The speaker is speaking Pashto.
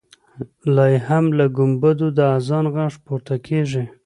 لا یې هم له ګمبدو د اذان غږ پورته کېږي.